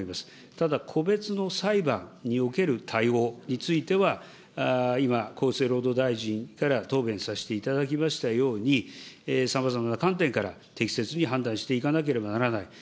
ただ、個別の裁判における対応については、今、厚生労働大臣から答弁させていただきましたように、さまざまな観点から、適切に判断していかなければならない。